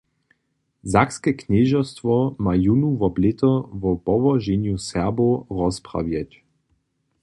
Sakske knježerstwo ma jónu wob lěto wo połoženju Serbow rozprawjeć.